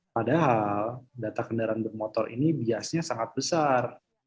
padahal data kendaraan bermotor ini biasnya sangat besar